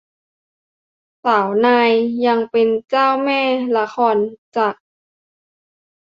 สาวนายยังเป็นเจ้าแม่ละครจักร